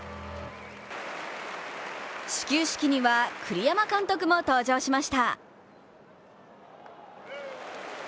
始球式には栗山監督も登場しました。